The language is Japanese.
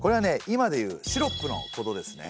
今で言うシロップのことですね。